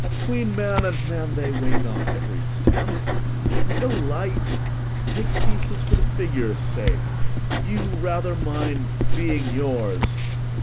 'Tween man and man they weigh not every stamp; Though light, take pieces for the figure's sake; You rather mine, being yours.